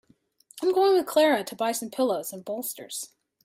I'm going with Clara to buy some pillows and bolsters.